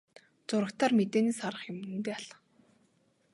Зурагтаар мэдээнээс харах юм үнэндээ алга.